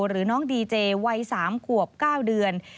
หรือน้องดีเจวัย๓ขวบ๙เดือน